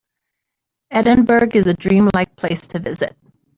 Edinburgh is a dream-like place to visit.